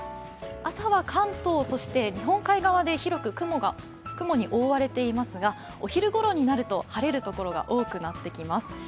朝は関東、日本海側で広く雲に覆われていますが、お昼頃になると晴れるところが多くなってきます。